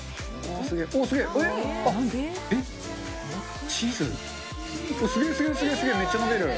すげえ、すげえ、めっちゃ伸びる。